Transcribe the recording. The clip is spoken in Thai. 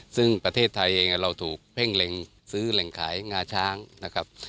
ซึ่งประเทศไทยเองเราถูกเพ่งเล็งซื้อแหล่งขายงาช้างนะครับ